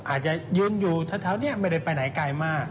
อาจจะยืนอยู่แถวนี้ไม่ได้ไปไหนไกลมาก